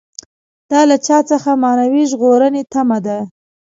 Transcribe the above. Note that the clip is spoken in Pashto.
دا له چا څخه معنوي ژغورنې تمه ده.